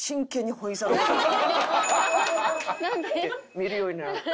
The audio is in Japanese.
見るようになって。